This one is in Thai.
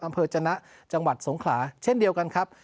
จนะจังหวัดสงขลาเช่นเดียวกันครับ